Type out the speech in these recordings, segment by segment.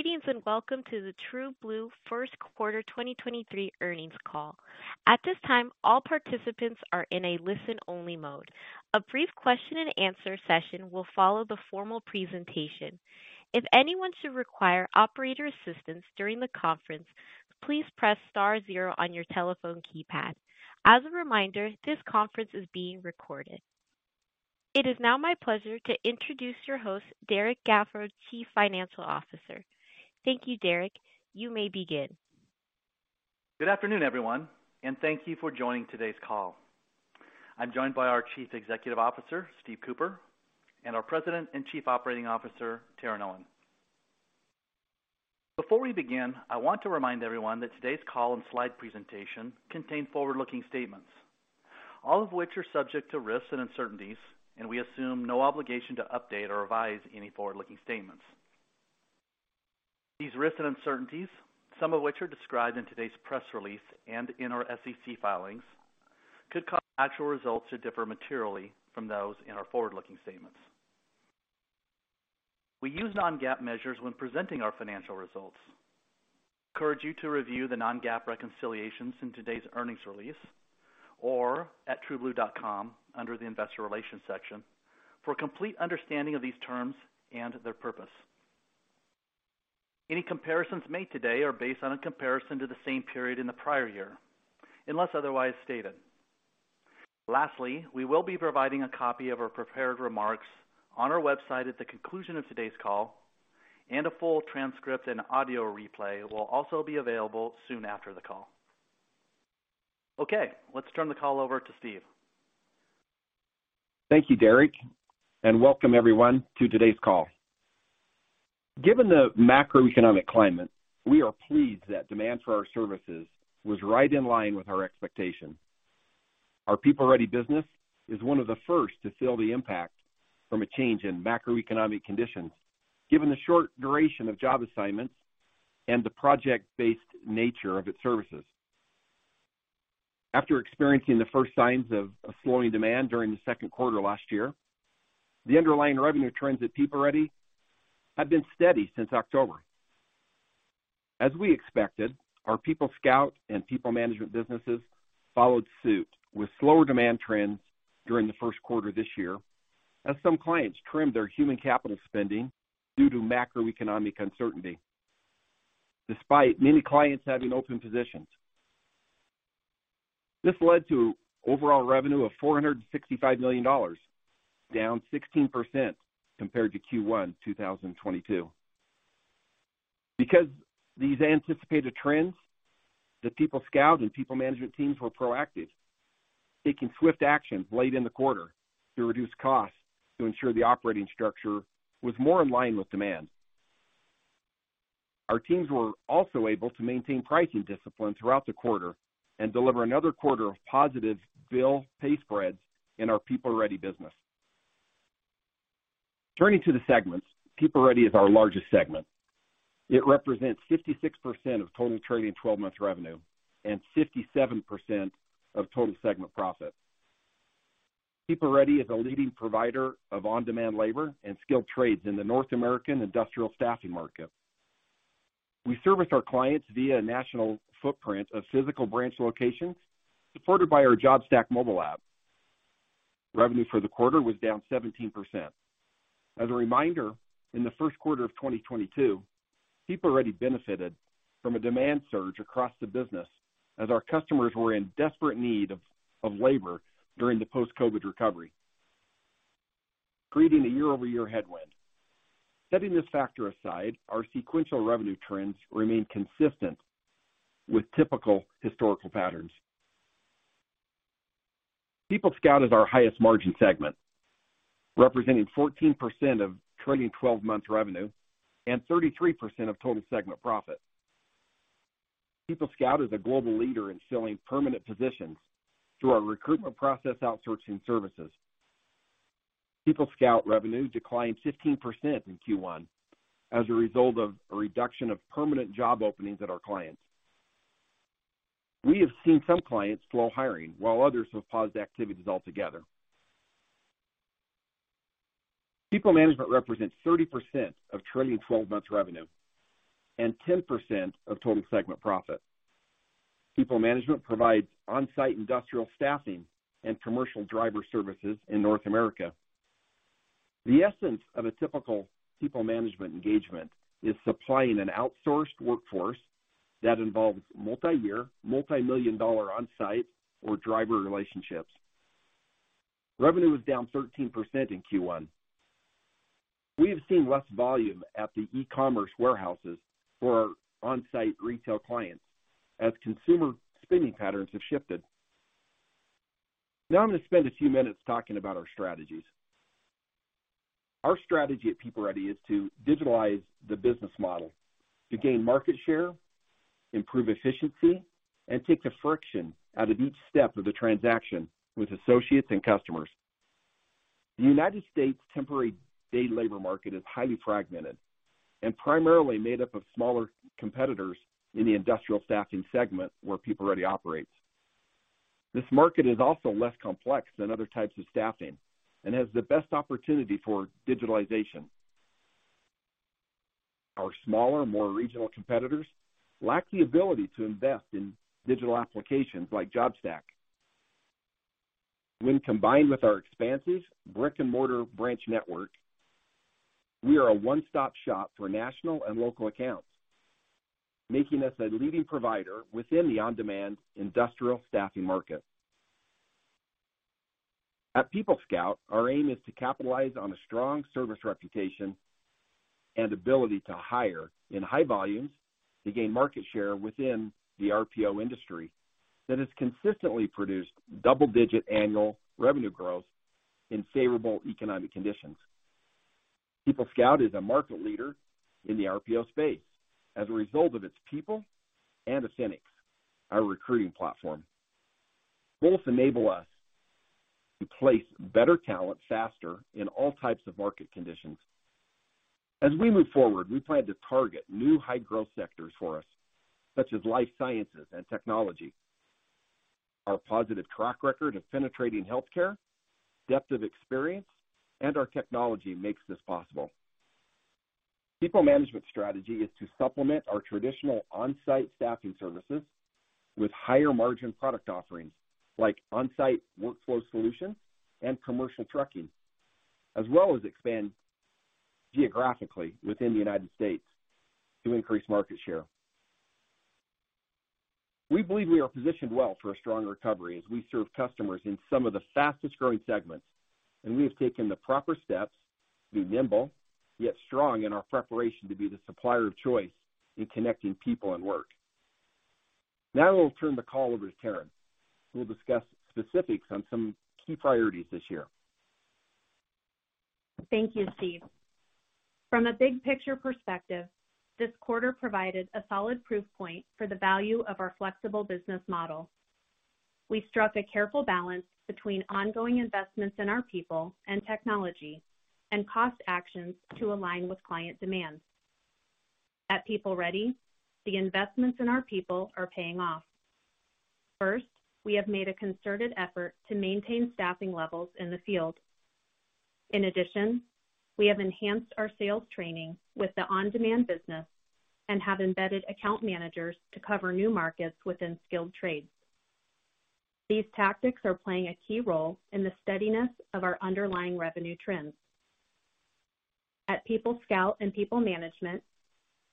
Greetings, welcome to the TrueBlue first quarter 2023 earnings call. At this time, all participants are in a listen-only mode. A brief question-and-answer session will follow the formal presentation. If anyone should require operator assistance during the conference, please press star zero on your telephone keypad. As a reminder, this conference is being recorded. It is now my pleasure to introduce your host, Derrek Gafford, Chief Financial Officer. Thank you, Derrek. You may begin. Good afternoon, everyone, and thank you for joining today's call. I'm joined by our Chief Executive Officer, Steve Cooper, and our President and Chief Operating Officer, Taryn Owen. Before we begin, I want to remind everyone that today's call and slide presentation contain forward-looking statements, all of which are subject to risks and uncertainties, and we assume no obligation to update or revise any forward-looking statements. These risks and uncertainties, some of which are described in today's press release and in our SEC filings, could cause actual results to differ materially from those in our forward-looking statements. We use non-GAAP measures when presenting our financial results. Encourage you to review the non-GAAP reconciliations in today's earnings release or at trueblue.com under the Investor Relations section for a complete understanding of these terms and their purpose. Any comparisons made today are based on a comparison to the same period in the prior year, unless otherwise stated. Lastly, we will be providing a copy of our prepared remarks on our website at the conclusion of today's call, and a full transcript and audio replay will also be available soon after the call. Okay, let's turn the call over to Steve. Thank you, Derrek. Welcome everyone to today's call. Given the macroeconomic climate, we are pleased that demand for our services was right in line with our expectations. Our PeopleReady business is one of the first to feel the impact from a change in macroeconomic conditions, given the short duration of job assignments and the project-based nature of its services. After experiencing the first signs of slowing demand during the second quarter last year, the underlying revenue trends at PeopleReady have been steady since October. As we expected, our PeopleScout and PeopleManagement businesses followed suit with slower demand trends during the first quarter this year, as some clients trimmed their human capital spending due to macroeconomic uncertainty, despite many clients having open positions. This led to overall revenue of $465 million, down 16% compared to Q1 2022. These anticipated trends, the PeopleScout and PeopleManagement teams were proactive, taking swift actions late in the quarter to reduce costs to ensure the operating structure was more in line with demand. Our teams were also able to maintain pricing discipline throughout the quarter and deliver another quarter of positive bill pay spreads in our PeopleReady business. Turning to the segments, PeopleReady is our largest segment. It represents 56% of total trailing 12-month revenue and 57% of total segment profit. PeopleReady is a leading provider of on-demand labor and skilled trades in the North American industrial staffing market. We service our clients via a national footprint of physical branch locations supported by our JobStack mobile app. Revenue for the quarter was down 17%. As a reminder, in the first quarter of 2022, PeopleReady benefited from a demand surge across the business as our customers were in desperate need of labor during the post-COVID recovery, creating a year-over-year headwind. Setting this factor aside, our sequential revenue trends remain consistent with typical historical patterns. PeopleScout is our highest margin segment, representing 14% of trailing 12-month revenue and 33% of total segment profit. PeopleScout is a global leader in filling permanent positions through our Recruitment Process Outsourcing services. PeopleScout revenue declined 15% in Q1 as a result of a reduction of permanent job openings at our clients. We have seen some clients slow hiring while others have paused activities altogether. PeopleManagement represents 30% of trailing 12-month revenue and 10% of total segment profit. PeopleManagement provides on-site industrial staffing and commercial driver services in North America. The essence of a typical PeopleManagement engagement is supplying an outsourced workforce that involves multi-year, multi-million dollar on-site or driver relationships. Revenue was down 13% in Q1. We have seen less volume at the e-commerce warehouses for our on-site retail clients as consumer spending patterns have shifted. I'm gonna spend a few minutes talking about our strategies. Our strategy at PeopleReady is to digitalize the business model, to gain market share, improve efficiency, and take the friction out of each step of the transaction with associates and customers. The United States temporary day labor market is highly fragmented and primarily made up of smaller competitors in the industrial staffing segment where PeopleReady operates. This market is also less complex than other types of staffing and has the best opportunity for digitalization. Our smaller, more regional competitors lack the ability to invest in digital applications like JobStack. When combined with our expansive brick-and-mortar branch network, we are a one-stop shop for national and local accounts, making us a leading provider within the on-demand industrial staffing market. At PeopleScout, our aim is to capitalize on a strong service reputation and ability to hire in high volumes to gain market share within the RPO industry that has consistently produced double-digit annual revenue growth in favorable economic conditions. PeopleScout is a market leader in the RPO space as a result of its people and Affinix, our recruiting platform. Both enable us to place better talent faster in all types of market conditions. We plan to target new high-growth sectors for us, such as life sciences and technology. Our positive track record of penetrating healthcare, depth of experience, and our technology makes this possible PeopleManagement strategy is to supplement our traditional on-site staffing services with higher margin product offerings like on-site workflow solutions and commercial trucking, as well as expand geographically within the United States to increase market share. We believe we are positioned well for a strong recovery as we serve customers in some of the fastest-growing segments, and we have taken the proper steps to be nimble yet strong in our preparation to be the supplier of choice in connecting people and work. I'll turn the call over to Taryn, who will discuss specifics on some key priorities this year. Thank you, Steve. From a big picture perspective, this quarter provided a solid proof point for the value of our flexible business model. We struck a careful balance between ongoing investments in our people and technology and cost actions to align with client demand. At PeopleReady, the investments in our people are paying off. First, we have made a concerted effort to maintain staffing levels in the field. In addition, we have enhanced our sales training with the on-demand business and have embedded account managers to cover new markets within skilled trades. These tactics are playing a key role in the steadiness of our underlying revenue trends. At PeopleScout and PeopleManagement,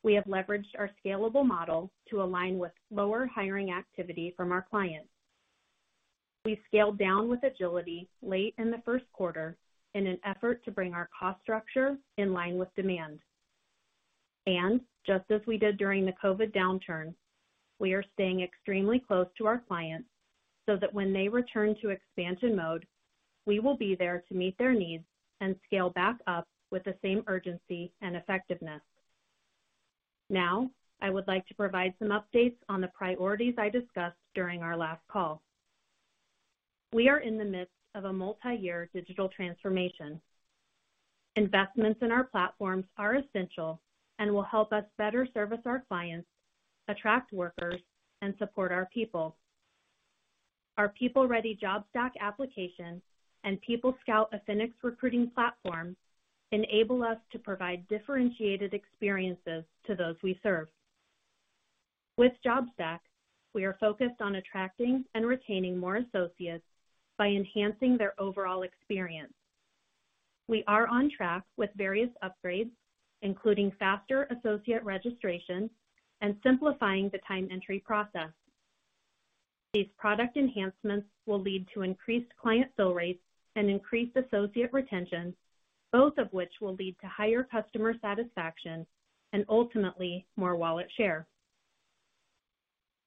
we have leveraged our scalable model to align with lower hiring activity from our clients. We've scaled down with agility late in the first quarter in an effort to bring our cost structure in line with demand. Just as we did during the COVID downturn, we are staying extremely close to our clients so that when they return to expansion mode, we will be there to meet their needs and scale back up with the same urgency and effectiveness. Now, I would like to provide some updates on the priorities I discussed during our last call. We are in the midst of a multi-year digital transformation. Investments in our platforms are essential and will help us better service our clients, attract workers, and support our people. Our PeopleReady JobStack application and PeopleScout Affinix recruiting platform enable us to provide differentiated experiences to those we serve. With JobStack, we are focused on attracting and retaining more associates by enhancing their overall experience. We are on track with various upgrades, including faster associate registration and simplifying the time entry process. These product enhancements will lead to increased client fill rates and increased associate retention, both of which will lead to higher customer satisfaction and ultimately more wallet share.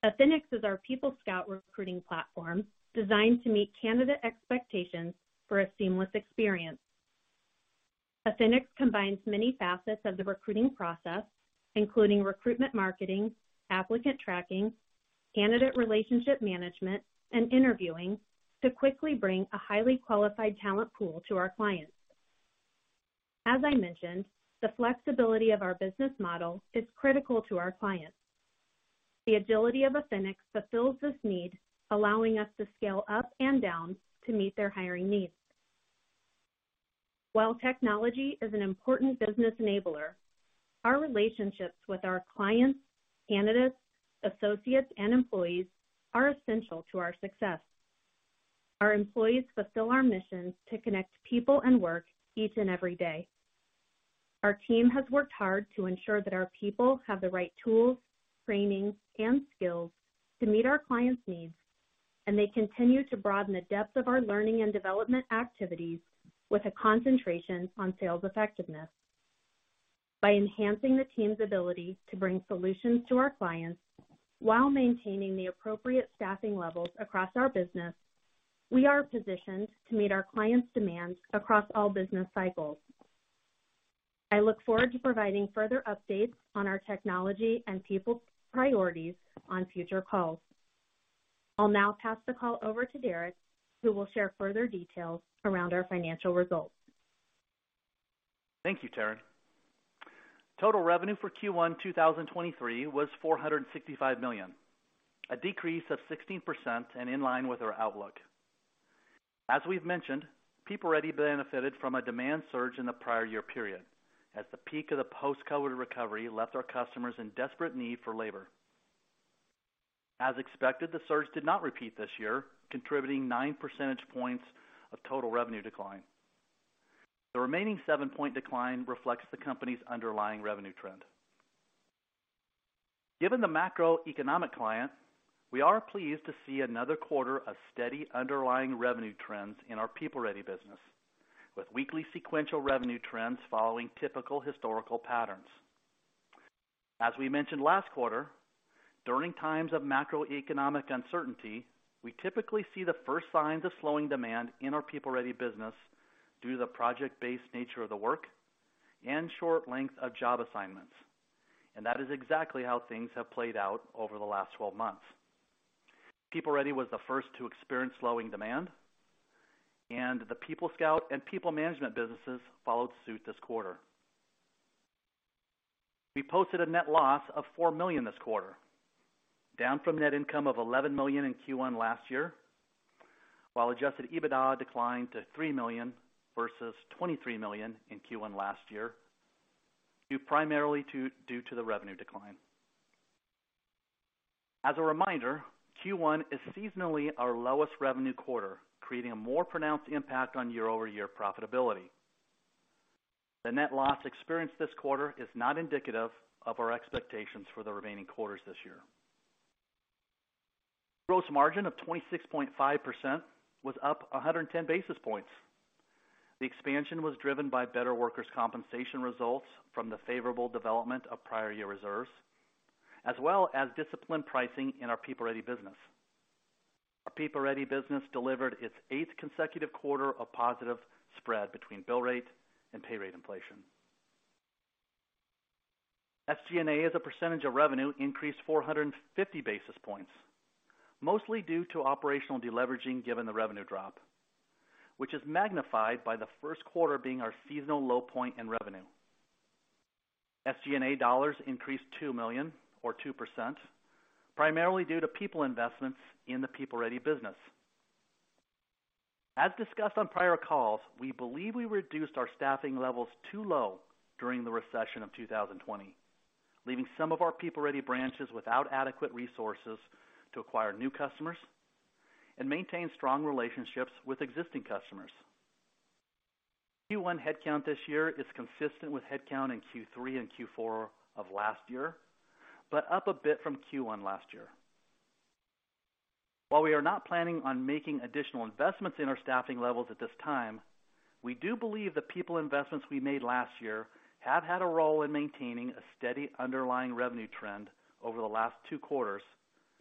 Affinix is our PeopleScout recruiting platform designed to meet candidate expectations for a seamless experience. Affinix combines many facets of the recruiting process, including recruitment marketing, applicant tracking, candidate relationship management, and interviewing to quickly bring a highly qualified talent pool to our clients. As I mentioned, the flexibility of our business model is critical to our clients. The agility of Affinix fulfills this need, allowing us to scale up and down to meet their hiring needs. While technology is an important business enabler, our relationships with our clients, candidates, associates, and employees are essential to our success. Our employees fulfill our mission to connect people and work each and every day. Our team has worked hard to ensure that our people have the right tools, training, and skills to meet our clients' needs, and they continue to broaden the depth of our learning and development activities with a concentration on sales effectiveness. By enhancing the team's ability to bring solutions to our clients while maintaining the appropriate staffing levels across our business, we are positioned to meet our clients' demands across all business cycles. I look forward to providing further updates on our technology and people priorities on future calls. I'll now pass the call over to Derrek, who will share further details around our financial results. Thank you, Taryn. Total revenue for Q1 2023 was $465 million, a decrease of 16% and in line with our outlook. As we've mentioned, PeopleReady benefited from a demand surge in the prior year period as the peak of the post-COVID recovery left our customers in desperate need for labor. As expected, the surge did not repeat this year, contributing 9 percentage points of total revenue decline. The remaining 7-point decline reflects the company's underlying revenue trend. Given the macroeconomic client, we are pleased to see another quarter of steady underlying revenue trends in our PeopleReady business, with weekly sequential revenue trends following typical historical patterns. As we mentioned last quarter, during times of macroeconomic uncertainty, we typically see the first signs of slowing demand in our PeopleReady business due to the project-based nature of the work and short length of job assignments. That is exactly how things have played out over the last 12 months. PeopleReady was the first to experience slowing demand, and the PeopleScout and PeopleManagement businesses followed suit this quarter. We posted a net loss of $4 million this quarter, down from net income of $11 million in Q1 last year. While adjusted EBITDA declined to $3 million versus $23 million in Q1 last year, due primarily to the revenue decline. As a reminder, Q1 is seasonally our lowest revenue quarter, creating a more pronounced impact on year-over-year profitability. The net loss experienced this quarter is not indicative of our expectations for the remaining quarters this year. Gross margin of 26.5% was up 110 basis points. The expansion was driven by better workers' compensation results from the favorable development of prior year reserves, as well as disciplined pricing in our PeopleReady business. Our PeopleReady business delivered its eighth consecutive quarter of positive spread between bill rate and pay rate inflation. SG&A, as a percentage of revenue, increased 450 basis points, mostly due to operational deleveraging given the revenue drop, which is magnified by the first quarter being our seasonal low point in revenue. SG&A dollars increased $2 million or 2%, primarily due to people investments in the PeopleReady business. As discussed on prior calls, we believe we reduced our staffing levels too low during the recession of 2020, leaving some of our PeopleReady branches without adequate resources to acquire new customers and maintain strong relationships with existing customers. Q1 headcount this year is consistent with headcount in Q3 and Q4 of last year, but up a bit from Q1 last year. While we are not planning on making additional investments in our staffing levels at this time, we do believe the people investments we made last year have had a role in maintaining a steady underlying revenue trend over the last two quarters,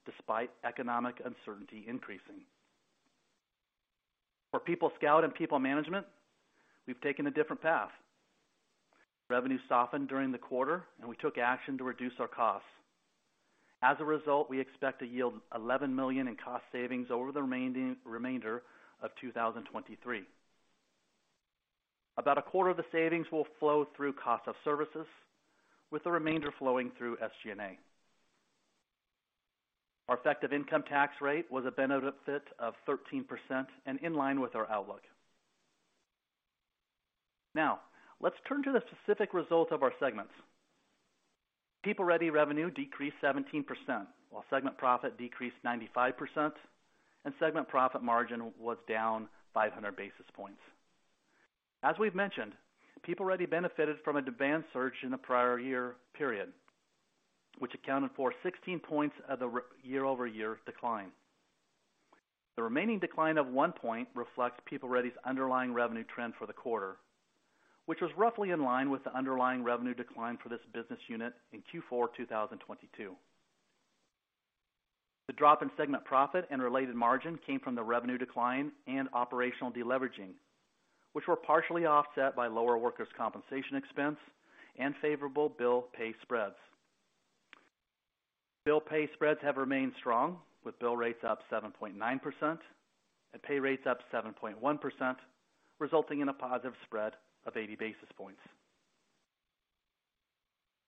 despite economic uncertainty increasing. For PeopleScout and PeopleManagement, we've taken a different path. Revenue softened during the quarter and we took action to reduce our costs. As a result, we expect to yield $11 million in cost savings over the remainder of 2023. About a quarter of the savings will flow through cost of services, with the remainder flowing through SG&A. Our effective income tax rate was a benefit of 13% and in line with our outlook. Let's turn to the specific results of our segments. PeopleReady revenue decreased 17%, while segment profit decreased 95% and segment profit margin was down 500 basis points. As we've mentioned, PeopleReady benefited from a demand surge in the prior year period, which accounted for 16 points of the year-over-year decline. The remaining decline of 1 point reflects PeopleReady's underlying revenue trend for the quarter, which was roughly in line with the underlying revenue decline for this business unit in Q4 2022. The drop in segment profit and related margin came from the revenue decline and operational deleveraging, which were partially offset by lower workers' compensation expense and favorable bill pay spreads. Bill pay spreads have remained strong, with bill rates up 7.9% and pay rates up 7.1%, resulting in a positive spread of 80 basis points.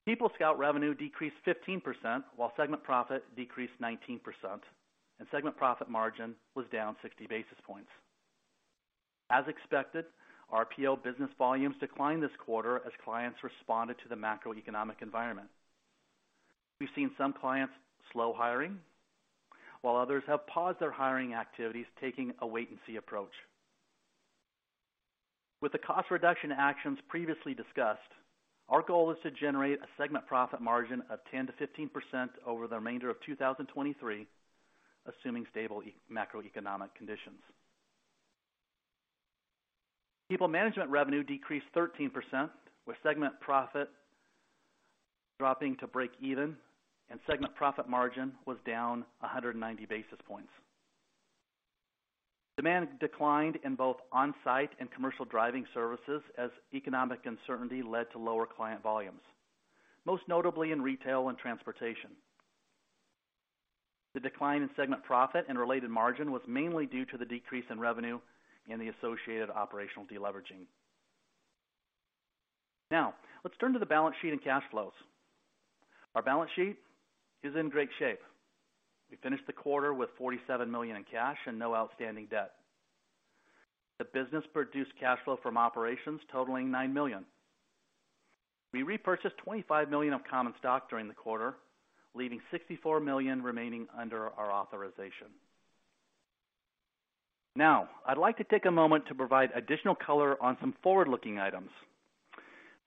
PeopleScout revenue decreased 15%, while segment profit decreased 19% and segment profit margin was down 60 basis points. As expected, our PO business volumes declined this quarter as clients responded to the macroeconomic environment. We've seen some clients slow hiring, while others have paused their hiring activities, taking a wait and see approach. With the cost reduction actions previously discussed, our goal is to generate a segment profit margin of 10%-15% over the remainder of 2023, assuming stable macroeconomic conditions. PeopleManagement revenue decreased 13%, with segment profit dropping to break even and segment profit margin was down 190 basis points. Demand declined in both on-site and commercial driving services as economic uncertainty led to lower client volumes, most notably in retail and transportation. The decline in segment profit and related margin was mainly due to the decrease in revenue and the associated operational deleveraging. Let's turn to the balance sheet and cash flows. Our balance sheet is in great shape. We finished the quarter with $47 million in cash and no outstanding debt. The business produced cash flow from operations totaling $9 million. We repurchased $25 million of common stock during the quarter, leaving $64 million remaining under our authorization. I'd like to take a moment to provide additional color on some forward-looking items.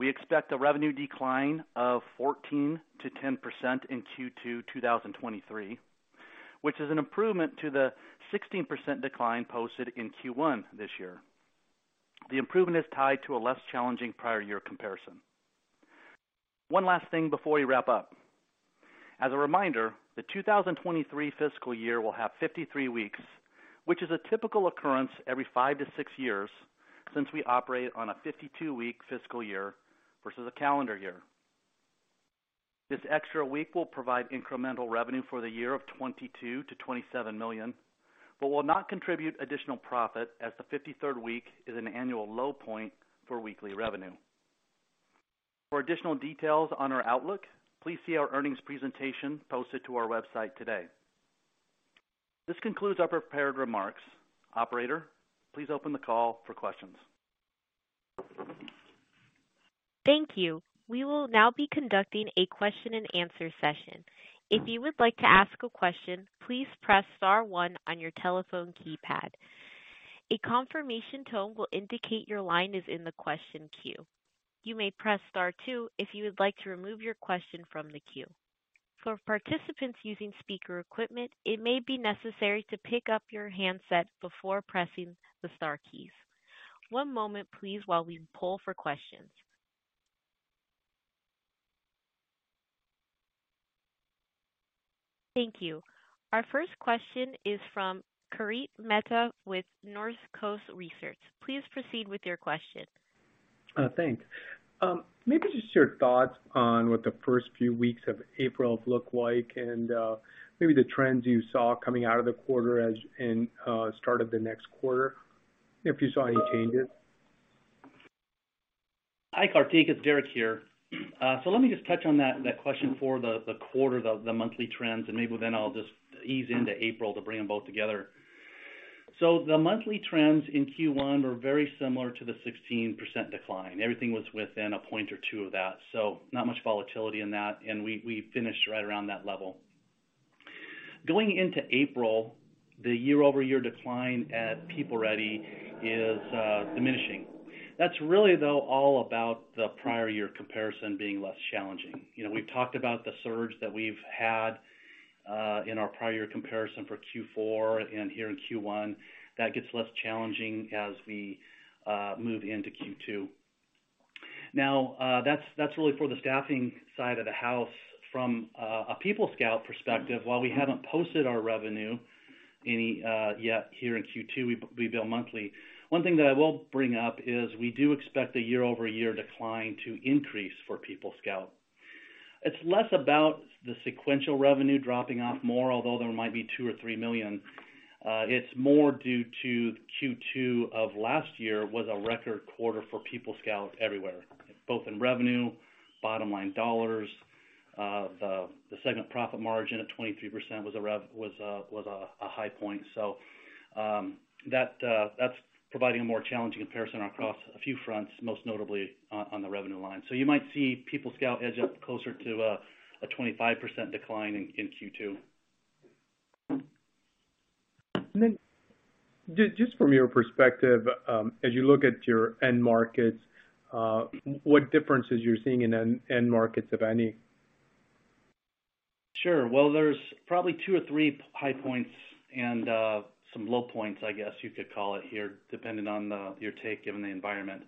We expect a revenue decline of 14%-10% in Q2 2023, which is an improvement to the 16% decline posted in Q1 this year. The improvement is tied to a less challenging prior year comparison. One last thing before we wrap up. As a reminder, the 2023 fiscal year will have 53 weeks, which is a typical occurrence every five to six years since we operate on a 52-week fiscal year versus a calendar year. This extra week will provide incremental revenue for the year of $22 million-$27 million, but will not contribute additional profit as the 53rd week is an annual low point for weekly revenue. For additional details on our outlook, please see our earnings presentation posted to our website today. This concludes our prepared remarks. Operator, please open the call for questions. Thank you. We will now be conducting a question-and-answer session. If you would like to ask a question, please press star one on your telephone keypad. A confirmation tone will indicate your line is in the question queue. You may press star two if you would like to remove your question from the queue. For participants using speaker equipment, it may be necessary to pick up your handset before pressing the star keys. One moment, please, while we poll for questions. Thank you. Our first question is from Kartik Mehta with Northcoast Research. Please proceed with your question. Thanks. Maybe just your thoughts on what the first few weeks of April look like, and maybe the trends you saw coming out of the quarter as, and start of the next quarter, if you saw any changes? Hi, Kartik. It's Derrek here. Let me just touch on that question for the quarter, the monthly trends, maybe then I'll just ease into April to bring them both together. The monthly trends in Q1 were very similar to the 16% decline. Everything was within a point or two of that, not much volatility in that, we finished right around that level. Going into April, the year-over-year decline at PeopleReady is diminishing. That's really, though, all about the prior year comparison being less challenging. You know, we've talked about the surge that we've had in our prior year comparison for Q4 and here in Q1. That gets less challenging as we move into Q2. Now, that's really for the staffing side of the house. From a PeopleScout perspective, while we haven't posted our revenue any yet here in Q2, we bill monthly. One thing that I will bring up is we do expect the year-over-year decline to increase for PeopleScout. It's less about the sequential revenue dropping off more, although there might be $2 million or $3 million. It's more due to Q2 of last year was a record quarter for PeopleScout everywhere, both in revenue, bottom line dollars. The segment profit margin at 23% was a high point. That's providing a more challenging comparison across a few fronts, most notably on the revenue line. You might see PeopleScout edge up closer to a 25% decline in Q2. Then just from your perspective, as you look at your end markets, what differences you're seeing in end markets, if any? Sure. Well, there's probably two or three high points and some low points, I guess, you could call it here, depending on your take, given the environment.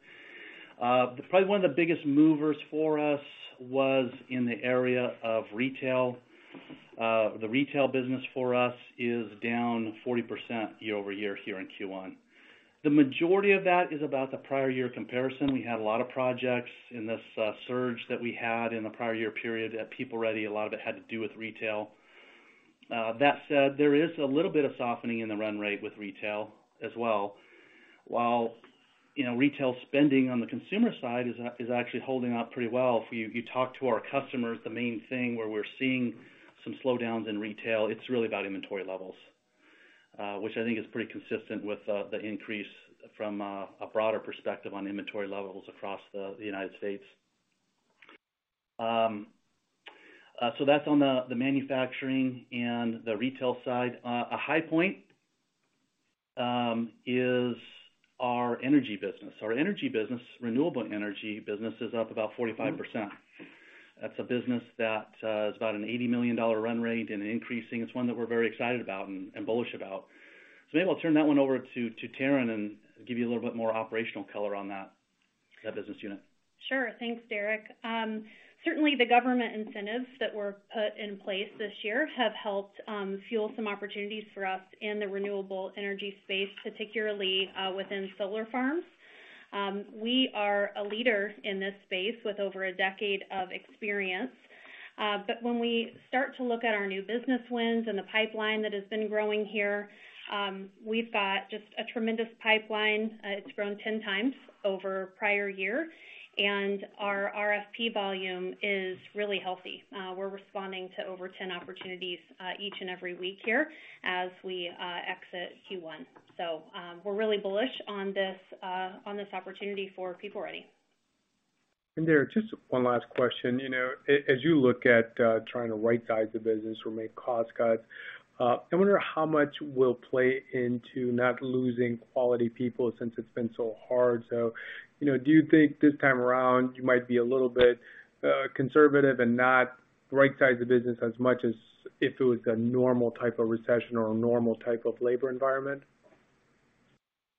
Probably one of the biggest movers for us was in the area of retail. The retail business for us is down 40% year-over-year here in Q1. The majority of that is about the prior year comparison. We had a lot of projects in this surge that we had in the prior year period at PeopleReady. A lot of it had to do with retail. That said, there is a little bit of softening in the run-rate with retail as well. While, you know, retail spending on the consumer side is actually holding up pretty well. If you talk to our customers, the main thing where we're seeing some slowdowns in retail, it's really about inventory levels, which I think is pretty consistent with the increase from a broader perspective on inventory levels across the United States. That's on the manufacturing and the retail side. A high point is our energy business. Our energy business, renewable energy business is up about 45%. That's a business that is about an $80 million run-rate and increasing. It's one that we're very excited about and bullish about. Maybe I'll turn that one over to Taryn and give you a little bit more operational color on that business unit. Sure. Thanks, Derrek. Certainly the government incentives that were put in place this year have helped fuel some opportunities for us in the renewable energy space, particularly within solar farms. We are a leader in this space with over a decade of experience. When we start to look at our new business wins and the pipeline that has been growing here, we've got just a tremendous pipeline. It's grown 10x over prior year, and our RFP volume is really healthy. We're responding to over 10 opportunities each and every week here as we exit Q1. We're really bullish on this opportunity for PeopleReady. Derrek, just one last question. You know, as you look at, trying to right-size the business or make cost cuts, I wonder how much will play into not losing quality people since it's been so hard. You know, do you think this time around you might be a little bit conservative and not right-size the business as much as if it was a normal type of recession or a normal type of labor environment?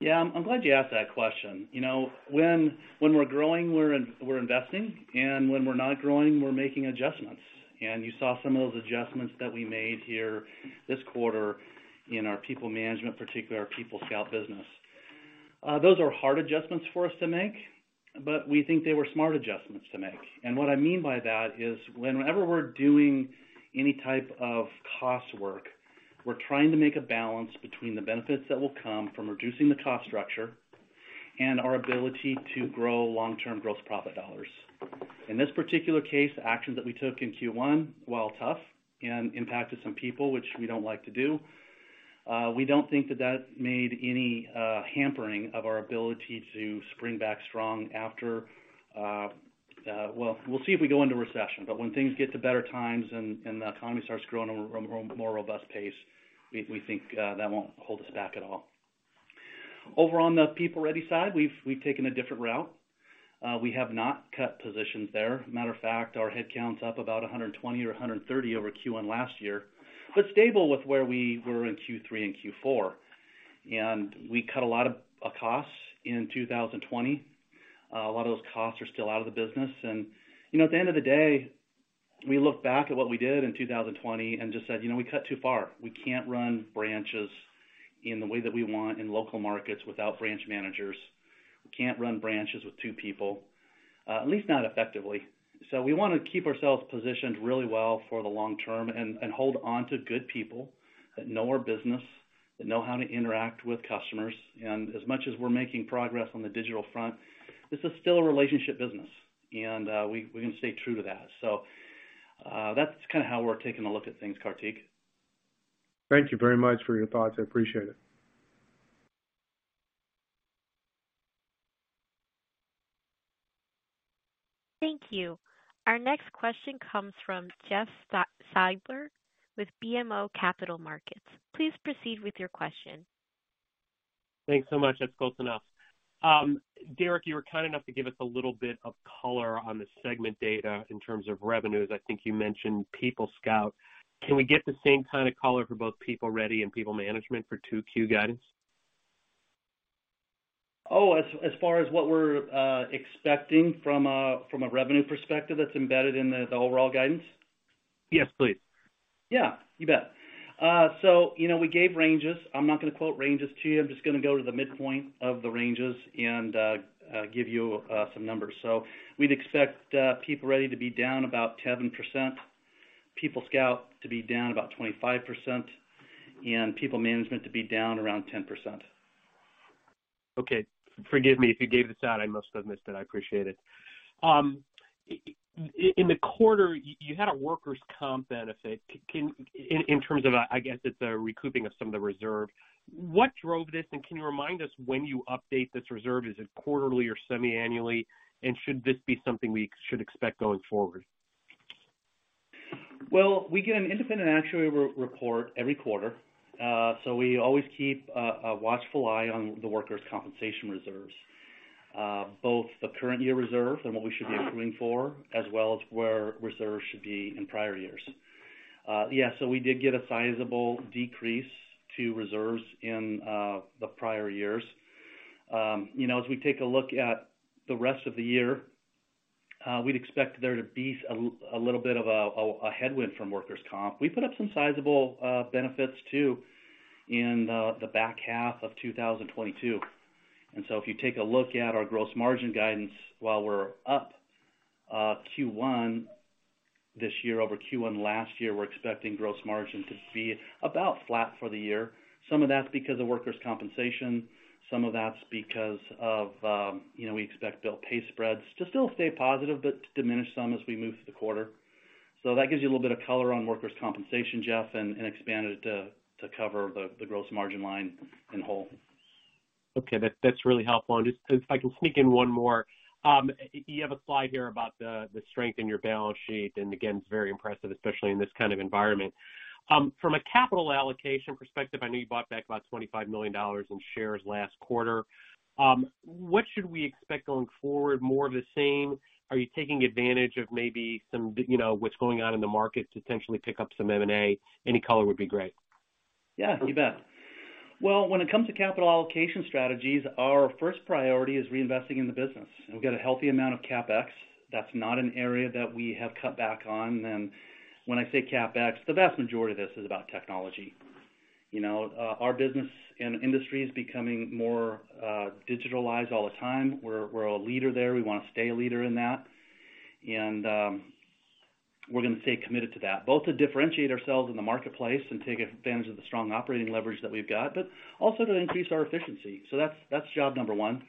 Yeah. I'm glad you asked that question. You know, when we're growing, we're investing, and when we're not growing, we're making adjustments. You saw some of those adjustments that we made here this quarter in our PeopleManagement, particularly our PeopleScout business. Those are hard adjustments for us to make, but we think they were smart adjustments to make. What I mean by that is, whenever we're doing any type of cost work, we're trying to make a balance between the benefits that will come from reducing the cost structure and our ability to grow long-term gross profit dollars. In this particular case, the actions that we took in Q1, while tough and impacted some people, which we don't like to do, we don't think that that made any hampering of our ability to spring back strong after. Well, we'll see if we go into recession, but when things get to better times and the economy starts growing at a more, more robust pace, we think that won't hold us back at all. Over on the PeopleReady side, we've taken a different route. We have not cut positions there. Matter of fact, our headcount's up about 120 or 130 over Q1 last year, but stable with where we were in Q3 and Q4. We cut a lot of costs in 2020. A lot of those costs are still out of the business. You know, at the end of the day, we look back at what we did in 2020 and just said, "You know, we cut too far." We can't run branches in the way that we want in local markets without branch managers. We can't run branches with two people, at least not effectively. We wanna keep ourselves positioned really well for the long term and hold on to good people that know our business, that know how to interact with customers. As much as we're making progress on the digital front, this is still a relationship business, and we're gonna stay true to that. That's kinda how we're taking a look at things, Kartik. Thank you very much for your thoughts. I appreciate it. Thank you. Our next question comes from Jeff Silber with BMO Capital Markets. Please proceed with your question. Thanks so much. That's close enough. Derrek, you were kind enough to give us a little bit of color on the segment data in terms of revenues. I think you mentioned PeopleScout. Can we get the same kind of color for both PeopleReady and PeopleManagement for 2Q guidance? As far as what we're expecting from a revenue perspective that's embedded in the overall guidance? Yes, please. Yeah, you bet. You know, we gave ranges. I'm not gonna quote ranges to you. I'm just gonna go to the midpoint of the ranges and give you some numbers. We'd expect PeopleReady to be down about 7%, PeopleScout to be down about 25%, and PeopleManagement to be down around 10%. Okay. Forgive me. If you gave this out, I must have missed it. I appreciate it. In the quarter, you had a workers' comp benefit. In terms of a, I guess it's a recouping of some of the reserve, what drove this, and can you remind us when you update this reserve? Is it quarterly or semiannually? Should this be something we should expect going forward? Well, we get an independent actuary re-report every quarter. We always keep a watchful eye on the workers' compensation reserves, both the current year reserve and what we should be accruing for, as well as where reserves should be in prior years. Yeah, we did get a sizable decrease to reserves in the prior years. You know, as we take a look at the rest of the year, we'd expect there to be a little bit of a headwind from workers' comp. We put up some sizable benefits too in the back half of 2022. If you take a look at our gross margin guidance, while we're up Q1 this year over Q1 last year, we're expecting gross margin to be about flat for the year. Some of that's because of workers' compensation. Some of that's because of, you know, we expect bill pay spreads to still stay positive, but to diminish some as we move through the quarter. That gives you a little bit of color on workers' compensation, Jeff, and expanded it to cover the gross margin line in whole. Okay. That's really helpful. Just if I can sneak in one more. You have a slide here about the strength in your balance sheet, and again, it's very impressive, especially in this kind of environment. From a capital allocation perspective, I know you bought back about $25 million in shares last quarter. What should we expect going forward? More of the same? Are you taking advantage of maybe some, you know, what's going on in the market to potentially pick up some M&A? Any color would be great. Yeah, you bet. Well, when it comes to capital allocation strategies, our first priority is reinvesting in the business. We've got a healthy amount of CapEx. That's not an area that we have cut back on. When I say CapEx, the vast majority of this is about technology. You know, our business and industry is becoming more, digitalized all the time. We're a leader there. We wanna stay a leader in that. We're gonna stay committed to that, both to differentiate ourselves in the marketplace and take advantage of the strong operating leverage that we've got, but also to increase our efficiency. That's job number one.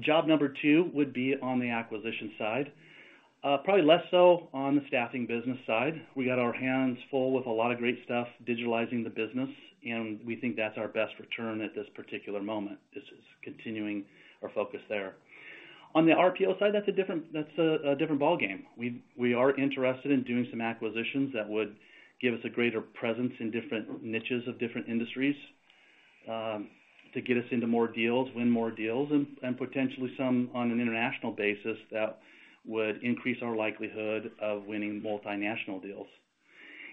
Job number two would be on the acquisition side. Probably less so on the staffing business side. We got our hands full with a lot of great stuff, digitalizing the business, and we think that's our best return at this particular moment. This is continuing our focus there. On the RPO side, that's a different ballgame. We are interested in doing some acquisitions that would give us a greater presence in different niches of different industries, to get us into more deals, win more deals, and potentially some on an international basis that would increase our likelihood of winning multinational deals.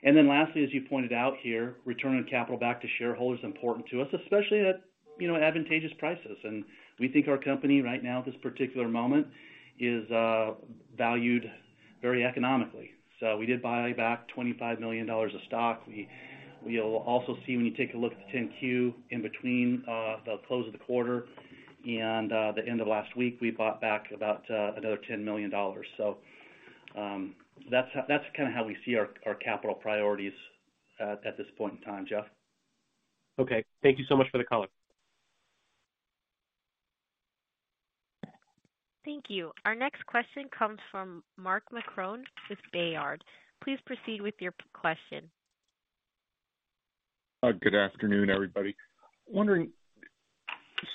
Lastly, as you pointed out here, returning capital back to shareholders is important to us, especially at, you know, advantageous prices. We think our company right now at this particular moment is valued very economically. We did buy back $25 million of stock. We'll also see when you take a look at the 10-Q in between the close of the quarter and the end of last week, we bought back about another $10 million. That's kinda how we see our capital priorities at this point in time, Jeff. Okay. Thank you so much for the color. Thank you. Our next question comes from Mark Marcon with Baird. Please proceed with your question. Good afternoon, everybody. Wondering,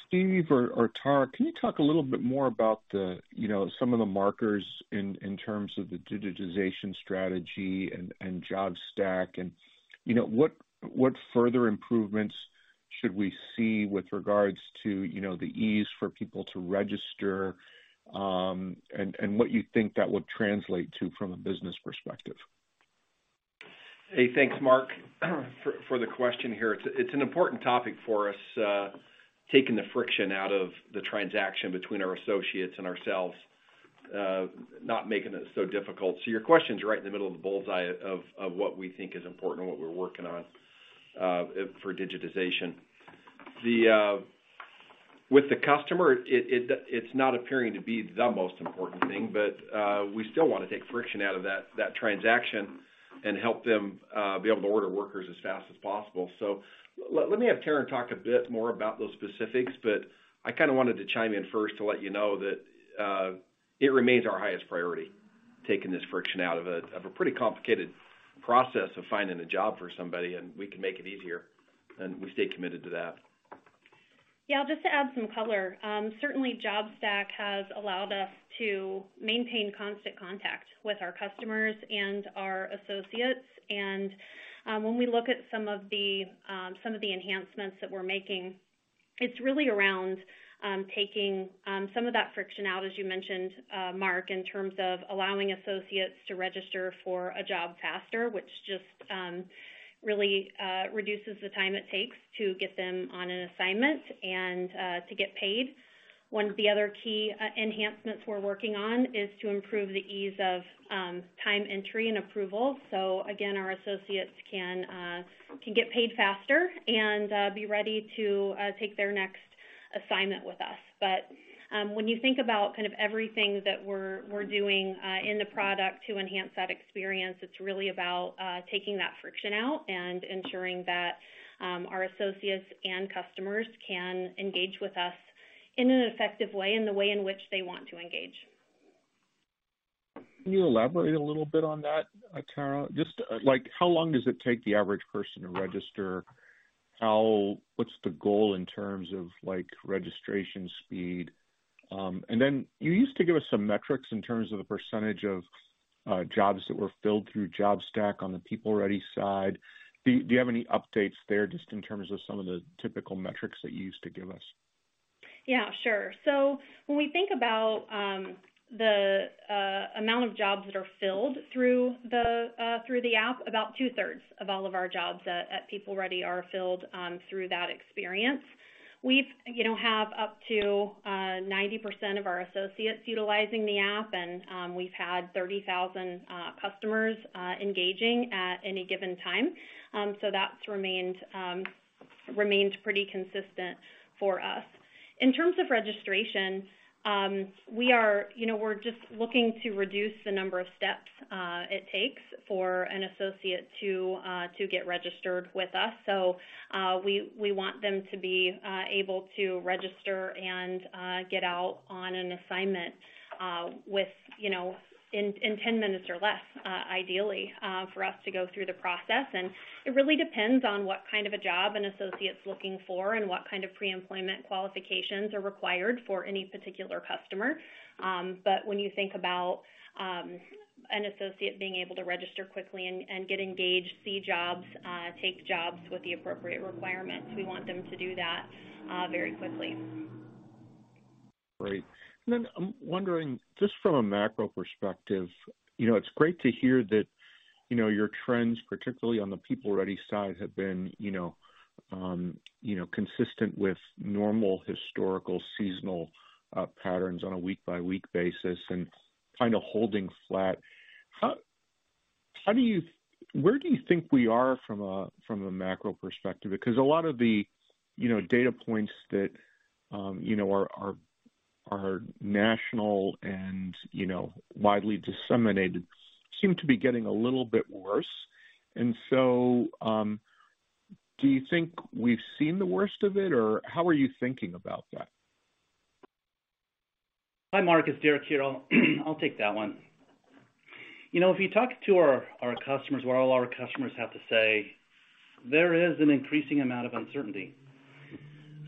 Steve or Taryn, can you talk a little bit more about the, you know, some of the markers in terms of the digitization strategy and JobStack and, you know, what further improvements should we see with regards to, you know, the ease for people to register, and what you think that would translate to from a business perspective? Hey, thanks, Mark, for the question here. It's an important topic for us, taking the friction out of the transaction between our associates and ourselves, not making it so difficult. Your question's right in the middle of the bullseye of what we think is important and what we're working on for digitization. The with the customer, it's not appearing to be the most important thing, but we still wanna take friction out of that transaction and help them be able to order workers as fast as possible. Let me have Taryn talk a bit more about those specifics, but I kinda wanted to chime in first to let you know that it remains our highest priority, taking this friction out of a pretty complicated process of finding a job for somebody, and we can make it easier, and we stay committed to that. Yeah. Just to add some color, certainly JobStack has allowed us to maintain constant contact with our customers and our associates. When we look at some of the, some of the enhancements that we're making, it's really around taking some of that friction out, as you mentioned, Mark, in terms of allowing associates to register for a job faster, which just really reduces the time it takes to get them on an assignment and to get paid. One of the other key e-enhancements we're working on is to improve the ease of time entry and approval. Again, our associates can get paid faster and be ready to take their next assignment with us. When you think about kind of everything that we're doing in the product to enhance that experience, it's really about taking that friction out and ensuring that our associates and customers can engage with us in an effective way, in the way in which they want to engage. Can you elaborate a little bit on that, Tara? Just, like, how long does it take the average person to register? What's the goal in terms of, like, registration speed? Then you used to give us some metrics in terms of the percentage of jobs that were filled through JobStack on the PeopleReady side. Do you have any updates there just in terms of some of the typical metrics that you used to give us? Yeah, sure. When we think about the amount of jobs that are filled through the app, about two-thirds of all of our jobs at PeopleReady are filled through that experience. We've, you know, have up to 90% of our associates utilizing the app, and we've had 30,000 customers engaging at any given time. That's remained pretty consistent for us. In terms of registration, we are, you know, we're just looking to reduce the number of steps it takes for an associate to get registered with us. We want them to be able to register and get out on an assignment with, you know, in 10 minutes or less, ideally for us to go through the process. It really depends on what kind of a job an associate's looking for and what kind of pre-employment qualifications are required for any particular customer. When you think about an associate being able to register quickly and get engaged, see jobs, take jobs with the appropriate requirements, we want them to do that very quickly. Great. Then I'm wondering, just from a macro perspective, you know, it's great to hear that, you know, your trends, particularly on the PeopleReady side, have been, you know, consistent with normal historical seasonal patterns on a week by week basis and kind of holding flat. How do you think we are from a macro perspective? Because a lot of the, you know, data points that, you know, are national and, you know, widely disseminated seem to be getting a little bit worse. Do you think we've seen the worst of it? Or how are you thinking about that? Hi, Mark, it's Derrek here. I'll take that one. You know, if you talk to our customers, what all our customers have to say, there is an increasing amount of uncertainty.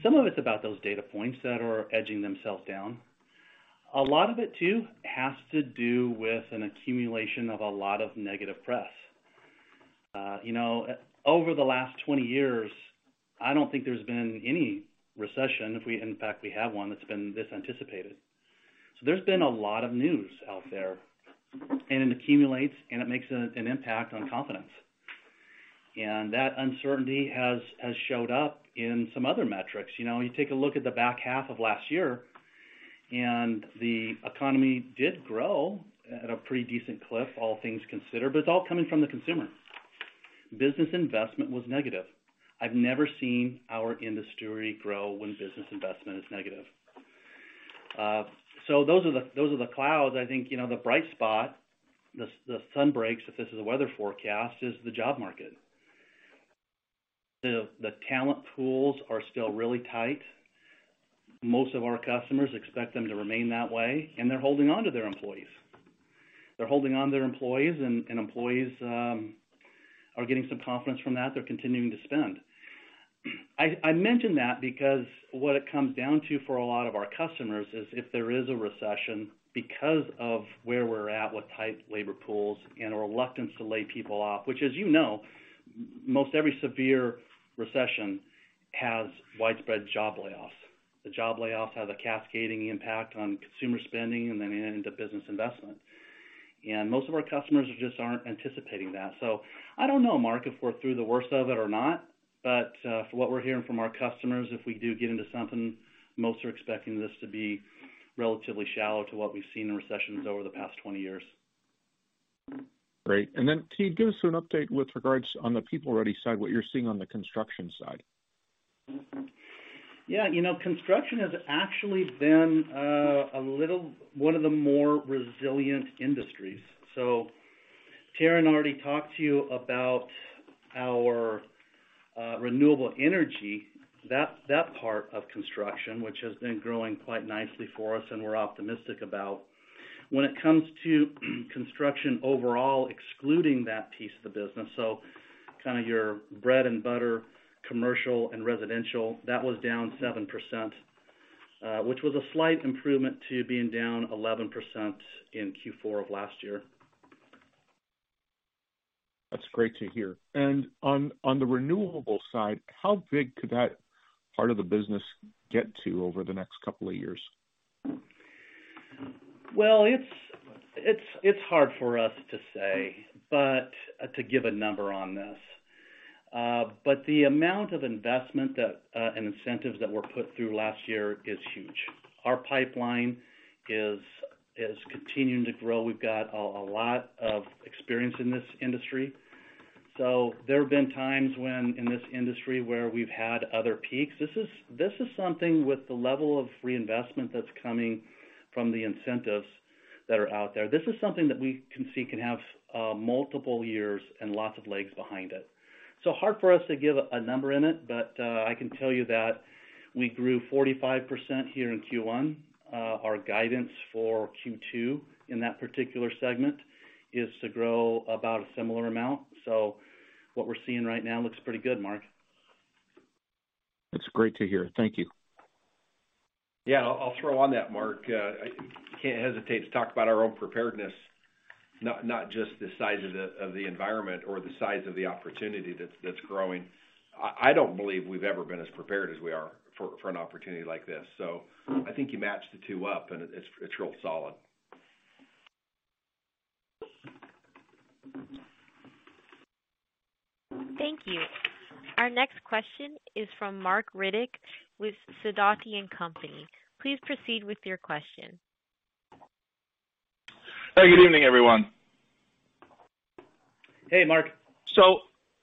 Some of it's about those data points that are edging themselves down. A lot of it, too, has to do with an accumulation of a lot of negative press. you know, over the last 20 years, I don't think there's been any recession, if in fact, we have one that's been this anticipated. There's been a lot of news out there, and it accumulates, and it makes an impact on confidence. That uncertainty has showed up in some other metrics. You know, you take a look at the back half of last year, the economy did grow at a pretty decent clip, all things considered, it's all coming from the consumer. Business investment was negative. I've never seen our industry grow when business investment is negative. Those are the clouds. I think, you know, the bright spot, the sun breaks, if this is a weather forecast, is the job market. The talent pools are still really tight. Most of our customers expect them to remain that way, they're holding on to their employees. They're holding on to their employees and employees are getting some confidence from that. They're continuing to spend. I mention that because what it comes down to for a lot of our customers is if there is a recession because of where we're at with tight labor pools and a reluctance to lay people off, which, as you know, most every severe recession has widespread job layoffs. The job layoffs have a cascading impact on consumer spending and then into business investment. Most of our customers just aren't anticipating that. I don't know, Mark, if we're through the worst of it or not, but from what we're hearing from our customers, if we do get into something, most are expecting this to be relatively shallow to what we've seen in recessions over the past 20 years. Great. Then can you give us an update with regards on the PeopleReady side, what you're seeing on the construction side. Yeah. You know, construction has actually been one of the more resilient industries. Taryn already talked to you about our renewable energy, that part of construction, which has been growing quite nicely for us and we're optimistic about. When it comes to construction overall, excluding that piece of the business, so kind of your bread and butter, commercial and residential, that was down 7%, which was a slight improvement to being down 11% in Q4 of last year. That's great to hear. On the renewable side, how big could that part of the business get to over the next couple of years? Well, it's hard for us to say, but to give a number on this. The amount of investment that and incentives that were put through last year is huge. Our pipeline is continuing to grow. We've got a lot of experience in this industry. There have been times when, in this industry, where we've had other peaks. This is something with the level of reinvestment that's coming from the incentives that are out there. This is something that we can see can have multiple years and lots of legs behind it. Hard for us to give a number in it, but I can tell you that we grew 45% here in Q1. Our guidance for Q2 in that particular segment is to grow about a similar amount. What we're seeing right now looks pretty good, Mark. That's great to hear. Thank you. Yeah. I'll throw on that, Mark. I can't hesitate to talk about our own preparedness, not just the size of the environment or the size of the opportunity that's growing. I don't believe we've ever been as prepared as we are for an opportunity like this. I think you match the two up, and it's real solid. Thank you. Our next question is from Marc Riddick with Sidoti & Company. Please proceed with your question. Hey, good evening, everyone. Hey,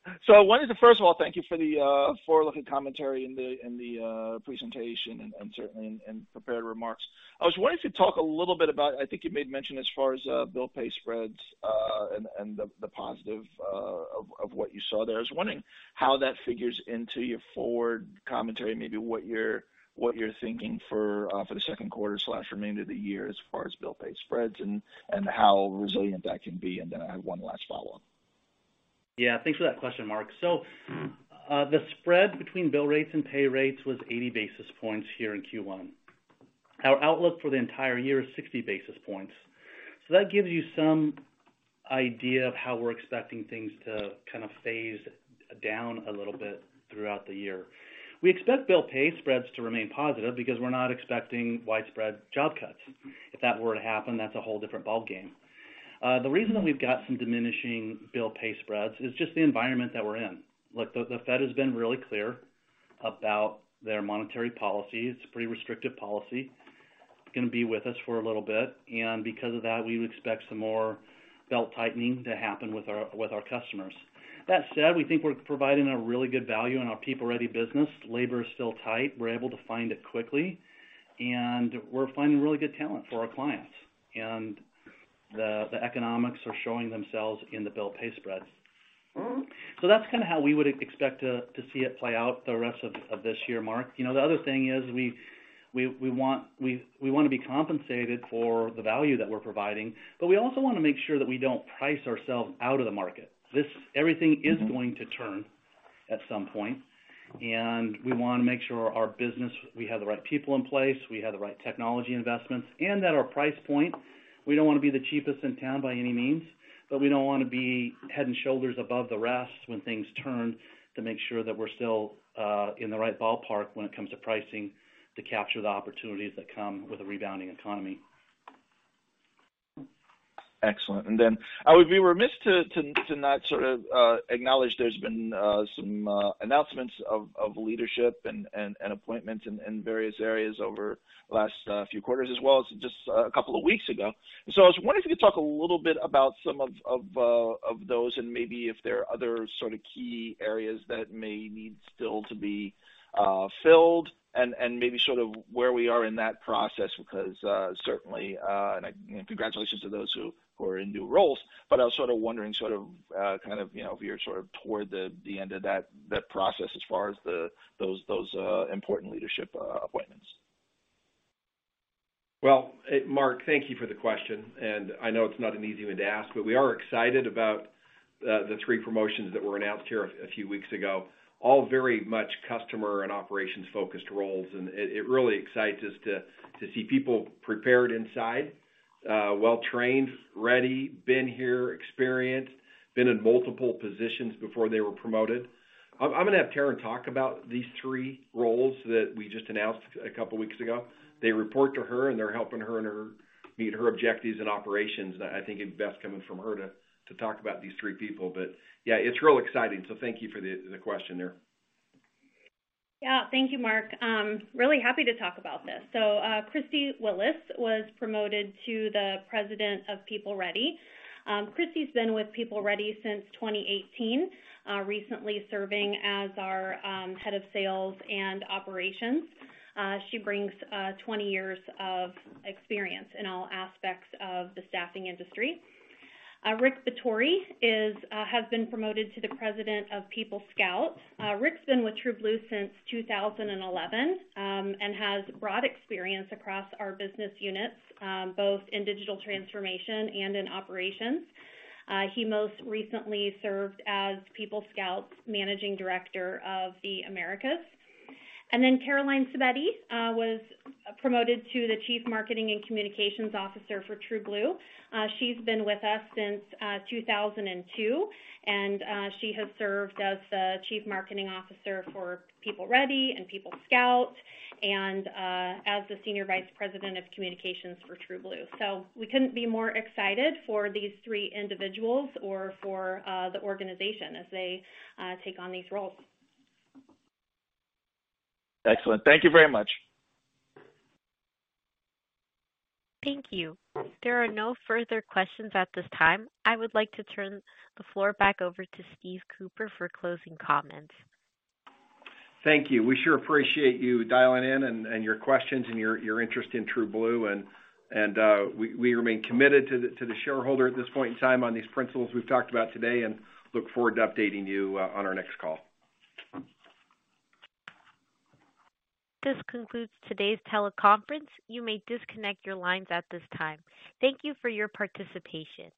Marc. I wanted to first of all thank you for the forward-looking commentary in the presentation and certainly and prepared remarks. I was wanting to talk a little bit about, I think you made mention as far as bill pay spreads and the positive of what you saw there. I was wondering how that figures into your forward commentary, maybe what you're thinking for the second quarter/remainder of the year as far as bill pay spreads and how resilient that can be. Then I have one last follow-up. Yeah. Thanks for that question, Marc. The spread between bill rates and pay rates was 80 basis points here in Q1. Our outlook for the entire year is 60 basis points. That gives you some idea of how we're expecting things to kind of phase down a little bit throughout the year. We expect bill pay spreads to remain positive because we're not expecting widespread job cuts. If that were to happen, that's a whole different ballgame. The reason that we've got some diminishing bill pay spreads is just the environment that we're in. Look, the Fed has been really clear about their monetary policy. It's a pretty restrictive policy. It's gonna be with us for a little bit. Because of that, we would expect some more belt-tightening to happen with our customers. That said, we think we're providing a really good value in our PeopleReady business. Labor is still tight. We're able to find it quickly, and we're finding really good talent for our clients. The economics are showing themselves in the bill/pay spreads. That's kinda how we would expect to see it play out the rest of this year, Marc. You know, the other thing is we want, we wanna be compensated for the value that we're providing, but we also wanna make sure that we don't price ourselves out of the market. Everything is going to turn at some point, and we wanna make sure our business, we have the right people in place, we have the right technology investments. At our price point, we don't wanna be the cheapest in town by any means, but we don't wanna be head and shoulders above the rest when things turn to make sure that we're still in the right ballpark when it comes to pricing to capture the opportunities that come with a rebounding economy. Excellent. Then I would be remiss to not sort of acknowledge there's been some announcements of leadership and appointments in various areas over the last few quarters, as well as just a couple of weeks ago. So I was wondering if you could talk a little bit about some of those and maybe if there are other sort of key areas that may need still to be filled and maybe sort of where we are in that process. Certainly, and I, you know, congratulations to those who are in new roles, but I was sort of wondering kind of, you know, if you're sort of toward the end of that process as far as those important leadership appointments. Well, Mark, thank you for the question. I know it's not an easy one to ask. We are excited about the three promotions that were announced here a few weeks ago, all very much customer and operations-focused roles. It really excites us to see people prepared inside, well-trained, ready, been here, experienced, been in multiple positions before they were promoted. I'm gonna have Taryn talk about these three roles that we just announced a couple weeks ago. They report to her. They're helping her meet her objectives and operations. I think it's best coming from her to talk about these three people. Yeah, it's real exciting. Thank you for the question there. Yeah. Thank you, Marc. Really happy to talk about this. Kristy Willis was promoted to the President of PeopleReady. Kristy has been with PeopleReady since 2018, recently serving as our Head of Sales and Operations. She brings 20 years of experience in all aspects of the staffing industry. Rick Betori has been promoted to the President of PeopleScout. Rick's been with TrueBlue since 2011 and has broad experience across our business units, both in digital transformation and in operations. He most recently served as PeopleScout's Managing Director of the Americas. Caroline Sabetti was promoted to the Chief Marketing and Communications Officer for TrueBlue. She's been with us since 2002, and she has served as the Chief Marketing Officer for PeopleReady and PeopleScout and as the Senior Vice President of Communications for TrueBlue. We couldn't be more excited for these three individuals or for the organization as they take on these roles. Excellent. Thank you very much. Thank you. There are no further questions at this time. I would like to turn the floor back over to Steve Cooper for closing comments. Thank you. We sure appreciate you dialing in and your questions and your interest in TrueBlue. We remain committed to the shareholder at this point in time on these principles we've talked about today and look forward to updating you on our next call. This concludes today's teleconference. You may disconnect your lines at this time. Thank you for your participation.